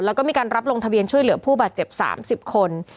แล้วก็มีการรับลงทะเบียนช่วยเหลือผู้บาดเจ็บ๓๐คน